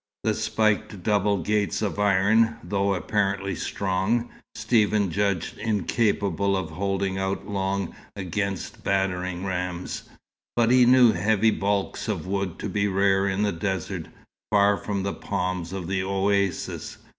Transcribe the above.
The spiked double gates of iron, though apparently strong, Stephen judged incapable of holding out long against battering rams, but he knew heavy baulks of wood to be rare in the desert, far from the palms of the oases.